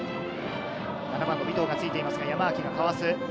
７番の尾藤がついてますが、山脇がかわす。